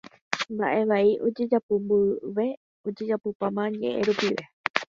Mbaʼevai ojejapo mboyve ojejapopáma ñeʼẽ rupive.